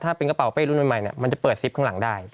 ถ้าเป็นกระเป๋าเป้รุ่นใหม่มันจะเปิดซิปข้างหลังได้